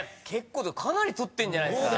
かなり取ってんじゃないですか？